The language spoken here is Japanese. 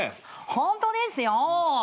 ホントですよ。